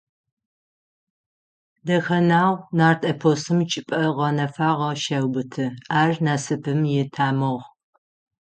Дэхэнагъу нарт эпосым чӏыпӏэ гъэнэфагъэ щеубыты, ар насыпым итамыгъ.